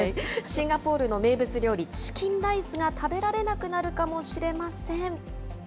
シンガポールの名物料理、チキンライスが食べられなくなるかもしれません。